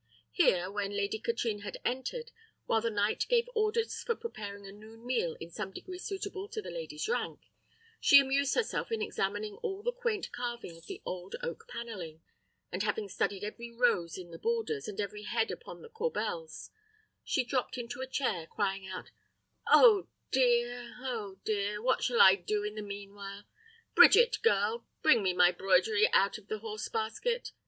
Here, when Lady Katrine had entered, while the knight gave orders for preparing a noon meal in some degree suitable to the lady's rank, she amused herself in examining all the quaint carving of the old oak panelling; and having studied every rose in the borders, and every head upon the corbels, she dropped into a chair, crying out "Oh dear! oh dear! what shall I do in the mean while? Bridget, girl, bring me my broidery out of the horse basket.